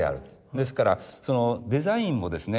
ですからデザインもですね